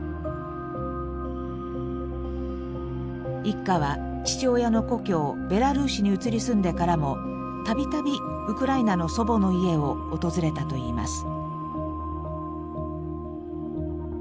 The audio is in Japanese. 一家は父親の故郷ベラルーシに移り住んでからもたびたびウクライナの祖母の家を訪れたといいます。